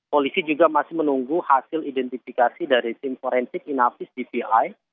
polisi juga masih menunggu hasil identifikasi dari tim forensik inavis dpi